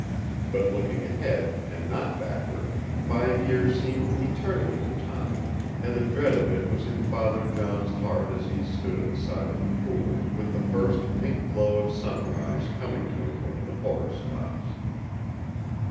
But looking ahead, and not backward, five years seemed an eternity of time, and the dread of it was in Father John's heart as he stood at the side of the pool, with the first pink glow of sunrise coming to him over the forest tops.